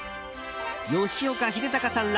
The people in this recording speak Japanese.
吉岡秀隆さんら